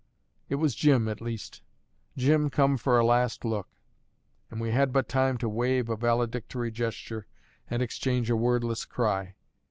It was Jim, at least; Jim, come for a last look; and we had but time to wave a valedictory gesture and exchange a wordless cry.